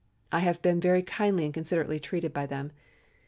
I have been very kindly and considerately treated by them.